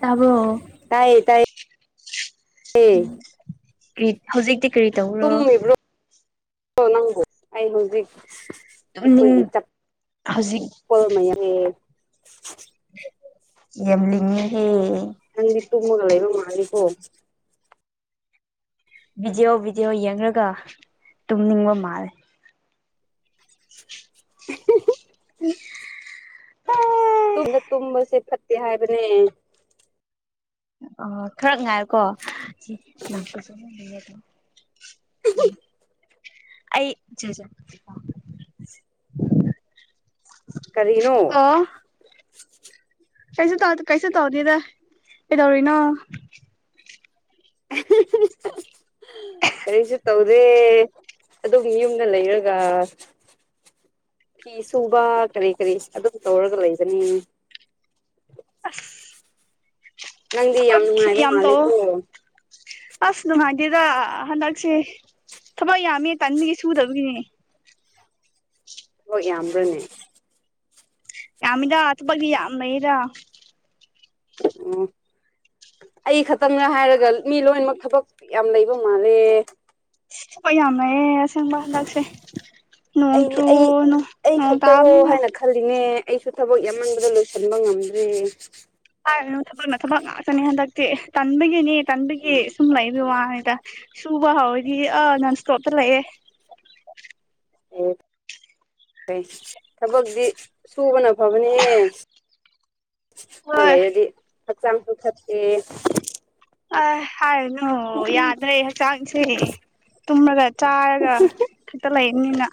ꯇꯥꯕ꯭ꯔꯣ ꯇꯥꯏꯌꯦ ꯇꯥꯏꯌꯦ [unintelligible] ꯀ꯭ꯔꯤ ꯍꯧꯖꯤꯛꯇꯤ ꯀꯔꯤ ꯇꯧꯕ꯭ꯔꯣ ꯇꯨꯝꯃꯤꯕ꯭ꯔꯣ ꯅꯪꯕꯨ ꯑꯩ ꯍꯨꯖꯤꯛ ꯇꯨꯝꯅꯤꯡ ꯑꯩꯈꯣꯏꯒꯤ ꯆꯛ ꯍꯧꯖꯤꯛ ꯀꯣꯜ ꯃꯌꯥꯝ ꯂꯩꯌꯦ ꯌꯥꯝ ꯂꯤꯡꯉꯦ ꯍꯦ ꯅꯪꯗꯤ ꯇꯨꯝꯃꯒ ꯂꯩꯕ ꯃꯥꯜꯂꯤꯀꯣ ꯚꯤꯗꯤꯑꯣ ꯚꯤꯗꯤꯑꯣ ꯌꯦꯡꯂꯒ ꯇꯨꯝꯅꯤꯡꯕ ꯃꯥꯜꯂꯦ [unintelligible] [unintelligible] [unintelligible] ꯗ ꯇꯨꯝꯕꯁꯦ ꯐꯠꯇꯦ ꯍꯥꯏꯕꯅꯦ ꯑ ꯈ꯭ꯔꯛ ꯉꯥꯏꯌꯣꯀꯣ [unintelligible] [inaudible] ꯑꯩ ꯖꯦꯖꯦ ꯀꯔꯤꯅꯣ ꯑꯣ ꯀꯩꯖꯨ ꯇꯧꯗꯦ ꯀꯩꯁꯨ ꯇꯧꯗꯦꯗ ꯀꯩꯗꯧꯔꯤꯅꯣ ꯀꯔꯤꯁꯨ ꯇꯧꯗꯦ ꯑꯗꯨꯝ ꯌꯨꯝꯗ ꯂꯩꯔꯒ ꯐꯤ ꯁꯨꯕ ꯀꯔꯤ ꯀꯔꯤ ꯑꯗꯨꯝ ꯇꯧꯔꯒ ꯂꯩꯕꯅꯦ ꯑꯁ ꯅꯪꯗꯤ ꯌꯥꯝ ꯊꯕꯛ ꯅꯨꯡꯉꯥꯏꯕ ꯌꯥꯝ ꯇꯧꯑꯣ ꯃꯥꯜꯂꯦꯀꯣ ꯑꯁ ꯅꯨꯡꯉꯥꯏꯇꯦꯗ ꯍꯟꯗꯛꯁꯦ ꯊꯕꯛ ꯌꯥꯝꯃꯦ ꯇꯟꯕꯒꯤ ꯁꯨꯗꯕꯒꯤꯅꯦ ꯊꯕꯛ ꯌꯥꯝꯕ꯭ꯔꯅꯦ ꯌꯥꯝꯃꯤꯗ ꯊꯕꯛꯇꯤ ꯌꯥꯝ ꯂꯩꯌꯦꯗ ꯑꯣ ꯑꯩ ꯈꯛꯇꯪꯔ ꯍꯥꯏꯔꯒ ꯃꯤ ꯂꯣꯏꯅꯃꯛ ꯊꯕꯛ ꯌꯥꯝ ꯂꯩꯕ ꯃꯥꯜꯂꯦ ꯊꯕꯛ ꯌꯥꯝ ꯂꯩꯌꯦ ꯑꯁ ꯁꯦꯡꯕ ꯍꯟꯗꯛꯁꯦ ꯑꯩꯗꯤ ꯅꯣꯡꯆꯨ ꯑꯩ ꯅꯣ ꯑꯩ ꯅꯣꯡ ꯈꯛꯇꯔꯣ ꯇꯥꯕꯅꯤꯅ ꯍꯥꯏꯅ ꯈꯜꯂꯤꯅꯦ ꯑꯩꯁꯨ ꯊꯕꯛ ꯌꯥꯝꯃꯟꯕꯗ ꯂꯣꯏꯁꯟꯕ ꯉꯝꯗ꯭ꯔꯦ ꯍꯥꯏꯔꯅꯨ ꯊꯕꯛꯅ ꯊꯕꯛ ꯉꯥꯛꯇꯅꯤ ꯍꯟꯗꯛꯇꯤ ꯇꯟꯕꯒꯤꯅꯤ ꯇꯟꯕꯒꯤ ꯁꯨꯝ ꯂꯩꯕ ꯋꯥꯅꯤꯗ ꯁꯨꯕ ꯍꯥꯎꯔꯗꯤ ꯑꯥ ꯅꯟ ꯏꯁꯇꯣꯞꯇ ꯂꯩꯌꯦ ꯑꯦ ꯐꯩ ꯊꯕꯛꯗꯤ ꯁꯨꯕꯅ ꯐꯕꯅꯦꯍꯦ ꯍꯣꯏ ꯂꯩꯔꯗꯤ ꯍꯛꯆꯥꯡꯁꯨ ꯐꯠꯇꯦ ꯑ ꯍꯥꯏꯔꯅꯨ ꯌꯥꯗ꯭ꯔꯦ ꯍꯛꯆꯥꯡꯁꯦ ꯇꯨꯝꯔꯒ ꯆꯥꯔꯒ ꯈꯛꯇ ꯂꯩꯔꯅꯤꯅ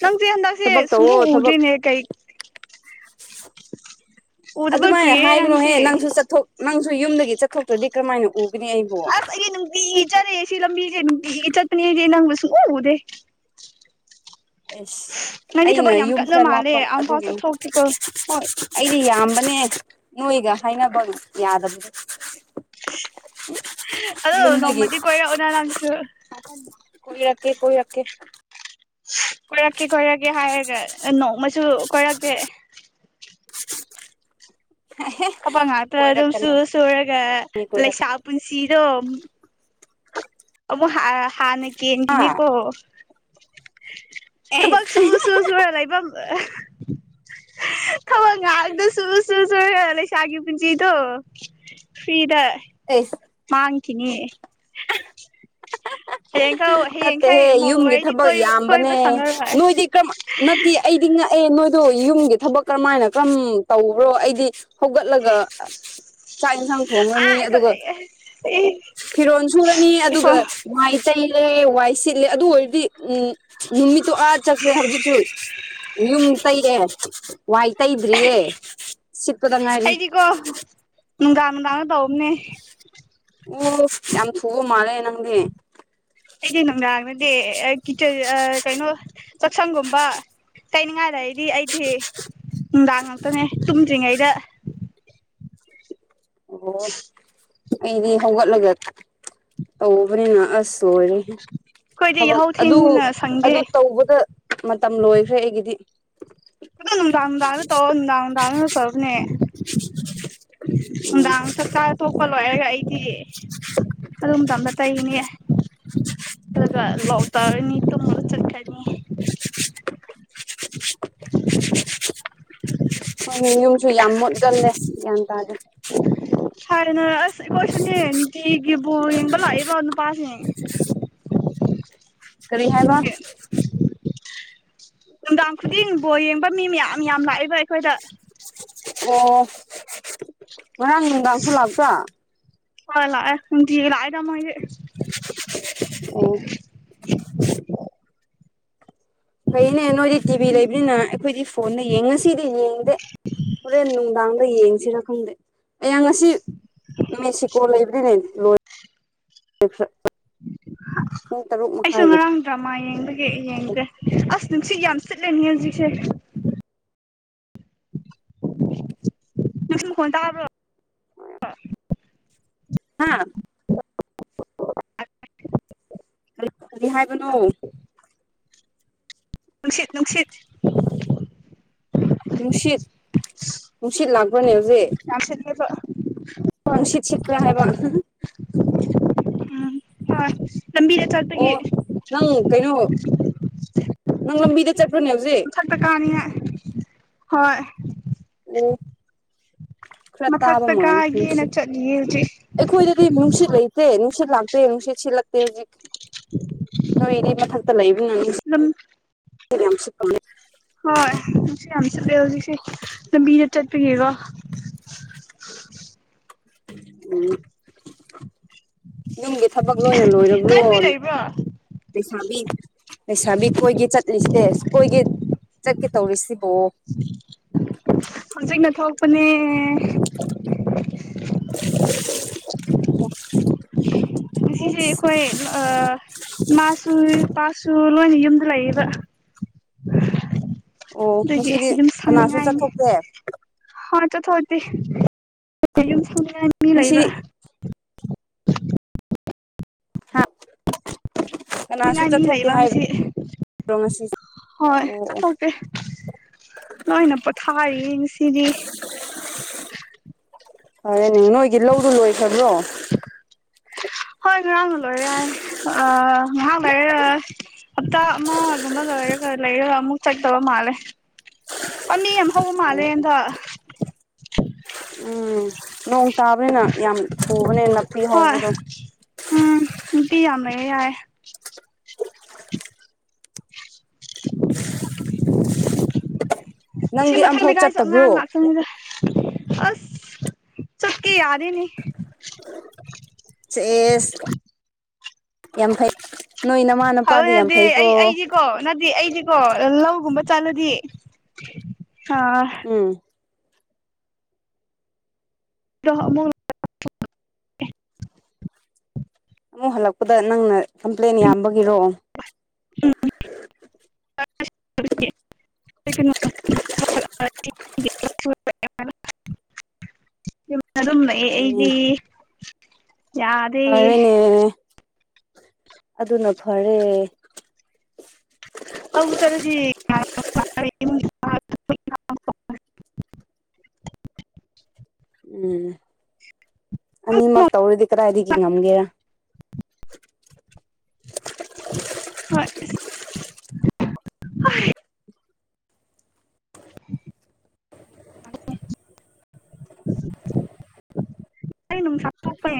ꯅꯪꯗꯦ ꯍꯟꯗꯛꯁꯦ ꯊꯕꯛ ꯁꯨꯡꯎ ꯇꯧꯋꯣ ꯊꯕꯛ ꯎꯗ꯭ꯔꯦꯅꯦ ꯀꯩ ꯎꯗꯕ ꯑꯗꯨꯃꯥꯏꯅ ꯀꯨꯏꯔꯦ ꯍꯥꯏꯒꯅꯨꯍꯦ ꯅꯪꯁꯤ ꯅꯪꯁꯨ ꯆꯠꯊꯣꯛ ꯅꯪꯁꯨ ꯌꯨꯝꯗꯒꯤ ꯆꯠꯊꯣꯛꯇ꯭ꯔꯗꯤ ꯀ꯭ꯔꯃꯥꯏꯅ ꯎꯒꯅꯤ ꯑꯩꯕꯣ ꯇꯤꯒꯤ ꯆꯠꯂꯦ ꯁꯤ ꯂꯝꯕꯤꯖꯦ ꯅꯨꯡꯇꯤꯒꯤ ꯆꯠꯄꯅꯦ ꯑꯩꯗꯤ ꯅꯪꯕꯨ ꯁꯨꯡꯎ ꯎꯗꯦ ꯑꯦꯁ ꯅꯪꯗꯤ ꯑꯩꯅ ꯊꯕꯛ ꯌꯥꯝ ꯌꯨꯝ ꯀꯟꯕ ꯈꯔ ꯃꯥꯜꯂꯦ ꯂꯥꯞꯄ ꯑꯝꯐꯥꯎ ꯑꯗꯨꯒꯤꯅꯦ ꯆꯠꯊꯣꯛꯇꯦꯀꯣ ꯍꯣꯏ ꯑꯩꯗꯤ ꯌꯥꯝꯕꯅꯦ ꯅꯣꯏꯒ ꯍꯥꯏꯅꯕ ꯌꯥꯗꯕꯅꯦ [inaudible] ꯑꯗꯣ ꯅꯣꯡꯃꯥꯗꯤ ꯀꯣꯏꯔꯛ ꯎꯗ ꯅꯪꯁꯨ ꯀꯣꯏꯔꯛꯀꯦ ꯀꯣꯏꯔꯛꯀꯦ ꯀꯣꯏꯔꯛꯀꯦ ꯀꯣꯏꯔꯛꯀꯦ ꯍꯥꯏꯔꯒ ꯅꯣꯡꯃꯁꯨ ꯀꯣꯏꯔꯛꯇꯦ ꯑꯍꯦ ꯊꯕꯛ ꯉꯥꯛꯇ ꯑꯗꯨꯝ ꯀꯣꯏꯔꯛꯀꯅꯤ ꯁꯨꯔ ꯁꯨꯔꯒ ꯀꯣꯏꯔꯛ ꯂꯩꯁꯥ ꯄꯨꯟꯁꯤꯗꯣ ꯑꯃꯨꯛ ꯍꯥꯔ ꯍꯥꯟꯅ ꯍꯥ ꯀꯦꯟꯒꯤꯅꯤꯀꯣ ꯊꯕꯛ ꯁꯨ ꯑꯦꯁ ꯁꯨ ꯁꯨꯔꯥ ꯂꯩꯕ ꯊꯕꯛ ꯉꯥꯛꯗ ꯁꯨ ꯁꯨ ꯁꯨꯔꯒ ꯂꯩꯁꯥꯒꯤ ꯄꯨꯟꯁꯤꯗꯣ ꯐ꯭ꯔꯤꯗ ꯑꯦꯁ ꯃꯥꯡꯈꯤꯅꯦ ꯍꯌꯦꯡꯈꯧ ꯍꯌꯦꯡꯈꯩ ꯅꯠꯇꯦꯍꯦ ꯃꯧ ꯌꯨꯝꯒꯤ ꯑꯣꯏꯔꯗꯤ ꯊꯕꯛ ꯀꯣꯏꯕ ꯀꯣꯏꯕ ꯌꯥꯝꯕꯅꯦ ꯁꯪꯉꯔꯣꯏ ꯅꯣꯏꯗꯤ ꯀꯔꯝ ꯅꯠꯇꯦ ꯑꯩꯗꯤ ꯉꯛꯑꯦ ꯅꯣꯏꯗꯣ ꯌꯨꯝꯒꯤ ꯊꯕꯛ ꯀꯔꯝꯃꯥꯏꯅ ꯀꯔꯝ ꯇꯧꯕ꯭ꯔꯣ ꯑꯩꯗꯤ ꯍꯧꯒꯠꯂꯒ ꯆꯥꯛ ꯏꯟꯖꯥꯡ ꯊꯣꯡꯉꯅꯤ ꯑꯥ ꯑꯗꯨꯒ ꯑꯩꯀꯣ ꯐꯤꯔꯣꯟ ꯁꯨꯔꯅꯤ ꯑꯗꯨꯒ ꯋꯥꯏ ꯇꯩꯔꯦ ꯋꯥꯏ ꯁꯤꯠꯂꯦ ꯑꯗꯨ ꯑꯣꯏꯔꯗꯤ ꯎꯝ ꯅꯨꯃꯤꯠꯇꯨ ꯑꯥ ꯆꯠꯈ꯭ꯔꯦ ꯍꯧꯖꯤꯛꯁꯨ ꯌꯨꯝ ꯇꯩꯔꯦ꯫ ꯋꯥꯏ ꯇꯩꯗ꯭ꯔꯤꯌꯦ ꯁꯤꯠꯄꯗ ꯉꯥꯏꯔꯤ꯫ ꯑꯩꯗꯤꯀꯣ ꯅꯨꯡꯗꯥꯡ ꯅꯨꯡꯗꯥꯡꯗ ꯇꯧꯕꯅꯦ꯫ ꯑꯣ ꯌꯥꯝ ꯊꯨꯕ ꯃꯥꯜꯂꯦ ꯅꯪꯗꯤ꯫ ꯑꯩꯗꯤ ꯅꯨꯡꯗꯥꯡꯅꯗꯤ ꯑ ꯀꯤꯆꯟ ꯀꯩꯅꯣ ꯆꯥꯛꯁꯪꯒꯨꯝꯕ꯫ ꯇꯩꯅꯤꯡꯉꯥꯏ ꯂꯩꯔꯗꯤ ꯑꯩꯗꯤ ꯅꯨꯡꯗꯥꯡ ꯉꯥꯛꯇꯅꯦ ꯇꯨꯝꯗ꯭ꯔꯤꯉꯩꯗ꯫ ꯑꯣ ꯑꯩꯗꯤ ꯍꯧꯒꯠꯂꯒ ꯇꯧꯕꯅꯤꯅ ꯑꯁ꯫ ꯇꯣꯏꯔꯦ ꯑꯩꯈꯣꯏꯗꯤ ꯊꯕꯛ ꯌꯥꯍꯧ ꯑꯗꯨ ꯊꯦꯡꯅ ꯁꯪꯗꯦ ꯑꯗꯨ ꯇꯧꯕꯗ ꯃꯇꯝ ꯂꯣꯏꯈ꯭ꯔꯦ ꯑꯩꯒꯤꯗꯤ꯫ ꯑꯗꯣ ꯅꯨꯡꯗꯥꯡ ꯅꯨꯡꯗꯥꯡꯗꯥ ꯇꯧꯎ ꯅꯨꯡꯗꯥꯡ ꯅꯨꯡꯗꯥꯡ ꯐꯕꯅꯦ ꯎꯝ ꯅꯨꯡꯗꯥꯡ ꯆꯥꯛ ꯆꯥꯆ ꯇꯣꯛꯄ ꯂꯣꯏꯔꯒ ꯑꯩꯗꯤ ꯑꯗꯨ ꯃꯇꯝꯗ ꯇꯩꯅꯦ꯫ ꯑꯗꯨꯒ ꯂꯣꯛ ꯇꯥꯔꯅꯤ ꯍꯣꯏ ꯌꯨꯝꯁꯨ ꯌꯥꯝ ꯃꯨꯠꯀꯜꯂꯦ ꯒ꯭ꯌꯥꯟ ꯇꯥꯗꯔꯦ꯫ ꯍꯥꯟꯅ ꯑꯁ ꯑꯩꯈꯣꯏꯁꯨꯅꯦ ꯅꯨꯡꯇꯤꯒꯤ ꯕꯣꯜ ꯌꯦꯡꯕ ꯂꯥꯛꯏꯕ ꯅꯨꯄꯥꯁꯤꯡ꯫ ꯀꯔꯤ ꯍꯥꯏꯕ꯫ ꯑꯗꯨꯒꯤ ꯅꯨꯡꯗꯥꯡ ꯈꯨꯗꯤꯡ ꯕꯣꯜ ꯌꯦꯡꯕ ꯃꯤ ꯃꯌꯥꯝ ꯌꯥꯝ ꯂꯥꯛꯏꯕ ꯑꯩꯈꯣꯏꯗ꯫ ꯑꯣ ꯉꯔꯥꯡ ꯅꯨꯡꯗꯥꯡꯁꯨ ꯂꯥꯛꯄ꯭ꯔ꯫ ꯍꯣꯏ ꯂꯥꯛꯑ ꯅꯨꯡꯇꯤꯒꯤ ꯂꯥꯛꯑꯦꯗ ꯃꯣꯏꯗꯤ꯫ ꯑꯣ꯫ ꯐꯩꯅꯦ ꯅꯣꯏꯗꯤ ꯇꯤꯚꯤ ꯂꯩꯕꯅꯤꯅ ꯑꯩꯈꯣꯏꯗꯤ ꯐꯣꯟꯗ ꯌꯦꯡ ꯉꯁꯤꯗꯤ ꯌꯦꯡꯗꯦ꯫ ꯍꯣꯔꯦꯟ ꯅꯨꯡꯗꯥꯡꯗ ꯌꯦꯡꯁꯤꯔ ꯈꯪꯗꯦ ꯑꯌꯥꯡ ꯉꯁꯤ ꯃꯦꯛꯁꯤꯀꯣ ꯂꯩꯕ꯭ꯔꯤꯅꯦ ꯂꯣꯏ ꯑꯩꯁꯨ ꯉꯔꯥꯡ ꯗ꯭ꯔꯃꯥ ꯌꯦꯡꯕꯒꯤ ꯌꯦꯡꯗꯦ ꯑꯁ ꯅꯨꯡꯁꯤꯠ ꯌꯥꯝ ꯆꯤꯠꯂꯅꯤ ꯍꯧꯖꯤꯛꯁꯦ꯫ ꯅꯨꯡꯁꯤꯠ ꯃꯈꯣꯟ ꯇꯥꯕ꯭ꯔꯣ꯫ ꯍꯥꯥ꯫ ꯀꯔꯤ ꯀꯔꯤ ꯍꯥꯏꯕꯅꯣ꯫ [inaudible] ꯅꯨꯡꯁꯤꯠ ꯅꯨꯡꯁꯤꯠ꯫ ꯅꯨꯡꯁꯤꯠ ꯅꯨꯡꯁꯤꯠ ꯂꯥꯛ ꯌꯥꯝ ꯁꯤꯠꯂꯦꯕ꯫ ꯍꯣꯏ ꯅꯨꯡꯁꯤꯠ ꯁꯤꯠ꯭ꯄꯔꯥ ꯍꯥꯏꯕ꯫ ꯎꯝ ꯍꯣꯏ ꯂꯝꯕꯤꯗ ꯆꯠꯄꯒꯤ ꯑꯣ ꯅꯪ ꯀꯩꯅꯣ ꯅꯪ ꯂꯝꯕꯤꯗ ꯆꯠꯄ꯭ꯔꯅꯦ ꯍꯧꯖꯤꯛ꯫ [unintelligible] ꯀꯅꯤ ꯍꯣꯏ ꯎꯝ꯫ ꯃꯊꯛꯇ ꯀꯥꯏꯒꯦꯅ ꯆꯠꯂꯤꯌꯦ ꯍꯧꯖꯤꯛ꯫ ꯑꯩꯈꯣꯏꯗꯗꯤ ꯅꯨꯡꯁꯤꯠ ꯂꯩꯇꯦ ꯅꯨꯡꯁꯤꯠ ꯂꯥꯛꯇꯦ ꯅꯨꯡꯁꯤꯠ ꯁꯤꯠꯂꯛꯇꯦ ꯍꯧꯖꯤꯛ꯫ ꯅꯣꯏꯗꯤ ꯃꯊꯛꯇ ꯂꯩꯕꯅꯤꯅ ꯅꯨꯡꯁꯤꯠ ꯑꯗꯨꯝ ꯌꯥꯝ ꯁꯤꯠꯄ ꯃꯥꯜꯂꯤ ꯍꯣꯏ ꯅꯨꯡꯁꯤꯠ ꯌꯥꯝ ꯁꯤꯠꯂꯤ ꯍꯧꯖꯤꯛꯁꯤ ꯂꯥꯝꯕꯤꯗ ꯆꯠꯄꯒꯤꯀꯣ꯫ ꯎꯝ꯫ ꯌꯨꯝꯒꯤ ꯊꯕꯛ ꯂꯣꯏꯅ ꯂꯣꯏꯔꯕ꯭ꯔꯣ꯫ ꯅꯣꯏ ꯍꯨꯏ ꯂꯩꯕ꯭ꯔꯣ ꯂꯩꯁꯥꯕꯤ ꯂꯩꯁꯥꯕꯤ ꯀꯣꯏꯒꯤ ꯆꯠꯂꯤꯁꯦ ꯑꯦ ꯀꯣꯏꯒꯦ ꯆꯠꯀꯦ ꯇꯧꯔꯤꯁꯤꯕꯣ꯫ ꯍꯧꯖꯤꯛꯅ ꯊꯣꯛꯄꯅꯦ [unintelligible] ꯉꯁꯤꯁꯦ ꯑꯣ ꯑꯩꯈꯣꯏ [unintelligible] ꯢꯃꯥꯁꯨ ꯢꯄꯥꯁꯨ ꯂꯣꯏꯅ ꯌꯨꯝꯗ ꯂꯩꯌꯦꯕ ꯑꯣ ꯑꯗꯨꯒꯤ ꯉꯁꯤꯗꯤ ꯌꯨꯝ ꯀꯅꯥꯁꯨ ꯆꯠꯊꯣꯛꯇꯦ ꯍ ꯆꯠꯊꯣꯛꯇꯦ ꯑꯗꯨꯅ ꯌꯨꯝ ꯁꯪꯅꯤꯉꯥꯢ ꯃꯤ ꯉꯁꯤ ꯂꯩꯕ [unintelligible] ꯍꯥ [unintelligible] [unintelligible] ꯀꯅꯥꯁꯨ ꯅꯤꯡꯉꯥꯏ ꯃꯤ ꯆꯠꯊꯣꯛꯇꯦ ꯂꯩꯕ ꯍꯥꯏꯔꯣ ꯉꯁꯤ ꯉꯁꯤ ꯍꯣꯏ ꯑꯣ ꯑꯣ ꯆꯠꯊꯣꯛꯇꯦ ꯂꯣꯏꯅ ꯄꯣꯊꯥꯔꯤꯌꯦ ꯉꯁꯤꯗꯤ ꯐꯔꯦꯅꯦ ꯅꯣꯏꯒꯤ ꯂꯧꯗꯨ ꯂꯣꯏꯈ꯭ꯔꯕ꯭ꯔꯣ ꯍꯣꯏ ꯉꯔꯥꯡꯅ ꯂꯣꯏꯔꯦ ꯍꯥꯏ ꯑ ꯉꯥꯍꯥꯛ ꯂꯥꯏꯔꯒ ꯍꯞꯇꯥ ꯑꯃꯒꯨꯝꯕ ꯂꯩꯔꯒ ꯂꯩꯔꯒ ꯑꯃꯨꯛ ꯆꯠꯀꯗꯕ ꯃꯥꯂꯦ ꯅꯥꯄꯤ ꯌꯥꯝ ꯍꯧꯕ ꯃꯥꯜꯂꯦ ꯑꯣ ꯍꯟꯗꯛ ꯎꯝ ꯅꯣꯡ ꯇꯥꯕꯅꯤꯅ ꯌꯥꯝ ꯊꯨꯕꯅꯦ ꯅꯥꯄꯤ ꯍꯣꯏ ꯍꯧꯕꯗꯣ ꯎꯝ ꯅꯥꯄꯤ ꯌꯥꯝ ꯂꯩꯌꯦ ꯍꯥꯏꯌꯦ [unintelligible] ꯁꯤ ꯅꯪꯗꯤ ꯃꯊꯪ ꯑꯝꯐꯥꯎ [unintelligible] ꯁꯨ ꯆꯠꯇꯕ꯭ꯔꯣ ꯑꯉꯥꯡ ꯉꯥꯛ ꯇꯅꯤꯗ ꯑꯁ ꯆꯠꯀꯦ ꯌꯥꯗꯦꯅꯦ ꯁꯦꯁ ꯌꯥꯝ ꯐꯩ ꯅꯣꯏ ꯅꯃꯥ ꯅꯨꯄꯥꯗꯤ ꯌꯥꯝ ꯐꯩꯀꯣ ꯀꯣ ꯅꯗꯤ ꯑꯩꯗꯤꯀꯣ ꯂꯧꯒꯨꯝꯕ ꯆꯠꯂꯗꯤ ꯑ ꯎꯝ [unintelligible] ꯑꯃꯨꯛ ꯑꯃꯨꯛ ꯍꯜꯂꯛꯄꯗ ꯅꯪꯅ ꯀꯝꯄ꯭ꯂꯦꯟ ꯌꯥꯝꯕꯒꯤꯔꯣ ꯎꯝ [unintelligible] [unintelligible] [unintelligible] ꯌꯨꯝꯗ ꯑꯗꯨꯝ ꯂꯩꯌꯦ ꯐꯩꯅꯦ ꯑꯩꯗꯤ ꯌꯥꯗꯦ ꯐꯔꯦꯅꯦ ꯑꯗꯨꯅ ꯐꯔꯦ ꯂꯧ ꯆꯠꯔꯗꯤ [unintelligible] ꯎꯝ ꯑꯅꯤꯃꯛ ꯇꯧꯔꯗꯤ ꯀꯗꯥꯏꯗꯒꯤ ꯉꯝꯒꯦꯔꯥ ꯍꯣꯏ [unintelligible] [unintelligible] ꯑꯩ ꯅꯨꯡꯁꯥ ꯊꯣꯛꯄ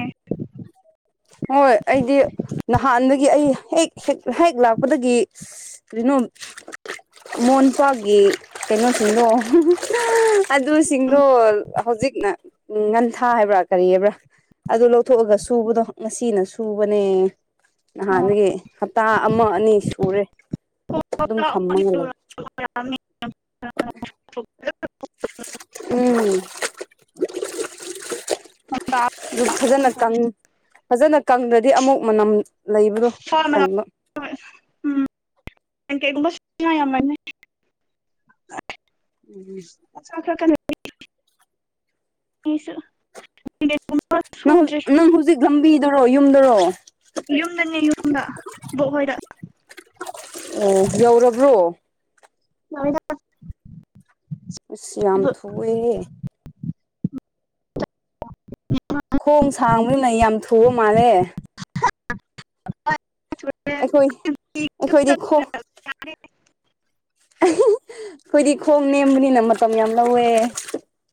ꯍꯣꯏ ꯑꯩꯗꯤ ꯅꯍꯥꯟꯗꯒꯤ ꯑꯩ ꯍꯦꯛ ꯍꯦꯛ ꯍꯦꯛ ꯂꯥꯛꯄꯗꯒꯤ ꯀ꯭ꯔꯤꯅꯣ [inaudible] ꯃꯣꯟꯄꯥꯒꯤ ꯀꯩꯅꯣꯁꯤꯡꯗꯣ [unintelligible] ꯑꯗꯨꯁꯤꯡꯗꯣ ꯍꯧꯖꯤꯛꯅ ꯉꯟꯊꯥ ꯍꯥꯏꯕ꯭ꯔꯥ ꯀꯔꯤ ꯍꯥꯏꯕ꯭ꯔꯥ ꯑꯗꯨ ꯂꯧꯊꯣꯛꯑꯒ ꯁꯨꯕꯗꯣ ꯉꯁꯤꯅ ꯁꯨꯕꯅꯦ ꯅꯍꯥꯟꯗꯒꯤ ꯍꯞꯇꯥ ꯑꯃ ꯑꯅꯤ ꯁꯨꯔꯦ ꯑꯗꯨꯝ ꯊꯝꯃꯒ ꯂꯩ [unintelligible] ꯎꯝ ꯑꯗꯨ ꯐꯖꯅ ꯀꯪ ꯐꯖꯅ ꯀꯪꯗ꯭ꯔꯗꯤ ꯑꯃꯨꯛ ꯃꯅꯝ ꯂꯩꯕꯗꯣ ꯑꯗꯨ ꯇꯟꯕ ꯍꯣꯢ ꯎꯝ ꯀꯩꯒꯨꯝꯕ [unintelligible] [unintelligible] [unintelligible] ꯁꯨꯗ꯭ꯔꯤ ꯖꯤꯛ ꯂꯝꯕꯤꯗꯔꯣ ꯌꯨꯝꯗꯔꯣ ꯌꯨꯝꯗꯅꯦ ꯌꯨꯝꯗ ꯕꯣꯛ ꯍꯣꯏꯗ꯫ ꯑꯣ ꯌꯧꯔꯕ꯭ꯔꯣ? [unintelligible] ꯑꯁ ꯌꯥꯝ ꯊꯨꯑꯦꯍꯦ ꯈꯣꯡ ꯁꯥꯡꯕꯅꯤꯅ ꯌꯥꯝ ꯊꯨꯕ ꯃꯥꯜꯂꯦ꯫ ꯑꯩꯈꯣꯏ ꯑꯩꯈꯣꯏꯗꯤ ꯈꯣꯡ [unintelligible] ꯑꯈꯣꯏꯗꯤ ꯈꯣꯡ ꯅꯦꯝꯕꯅꯤꯅ ꯃꯇꯝ ꯌꯥꯝ ꯂꯧꯋꯦ꯫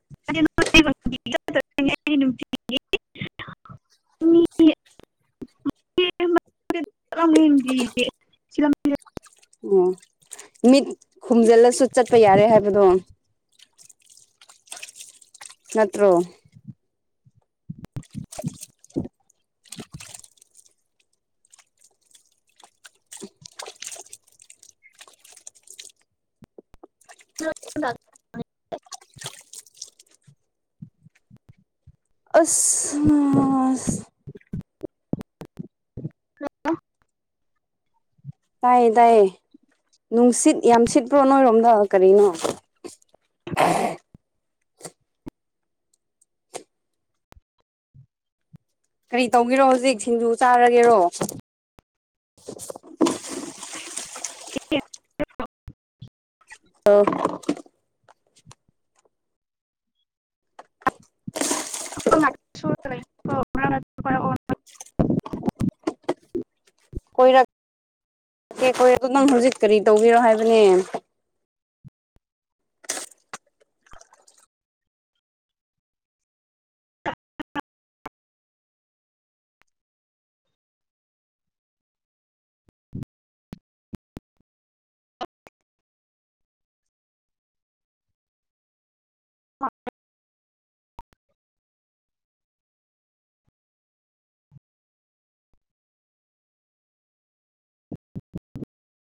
[unintelligible] [unintelligible] ꯑꯣ ꯃꯤꯠ ꯈꯨꯝꯖꯜꯂꯁꯨ ꯆꯠꯄ ꯌꯥꯔꯦ ꯍꯥꯏꯕꯗꯣ ꯅꯠꯇ꯭ꯔꯣ [unintelligible] ꯑꯁ [unintelligible] ꯇꯥꯏꯌꯦ ꯇꯥꯏꯌꯦ ꯅꯨꯡꯁꯤꯠ ꯌꯥꯝ ꯁꯤꯠꯄ꯭ꯔꯣ ꯅꯣꯏꯔꯣꯝꯗ ꯀꯔꯤꯅꯣ? [unintelligible] ꯀꯔꯤ ꯇꯧꯒꯦꯔꯣ ꯍꯧꯖꯤꯛ ꯁꯤꯡꯖꯨ ꯆꯥꯔꯒꯦꯔꯣ? [unintelligible] [unintelligible] [unintelligible] ꯑꯣꯟꯅ ꯀꯦ ꯀꯣꯏ ꯑꯗꯨ ꯅꯪ ꯍꯧꯖꯤꯛ ꯀꯔꯤ ꯇꯧꯒꯦꯔꯣ ꯍꯥꯏꯕꯅꯦ꯫ [unintelligible]